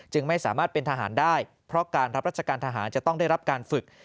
ไม่สามารถเป็นทหารได้เพราะการรับราชการทหารจะต้องได้รับการฝึก